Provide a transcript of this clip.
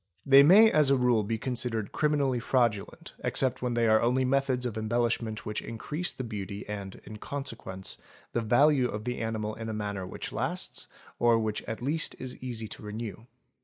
They may as a rule be considered criminally fraudulent except when they are only methods of embellishment which increase the beauty and, in consequence, the value of the animal in a manner which lasts or which at least is easy to renew.